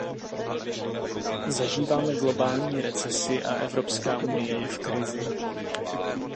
Zažíváme globální recesi a Evropská unie je v krizi.